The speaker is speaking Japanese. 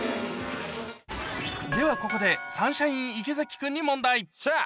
ではここでサンシャイン池崎君に問題。